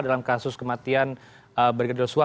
dalam kasus kematian brigadir sua